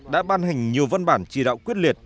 đã ban hành nhiều văn bản chỉ đạo quyết liệt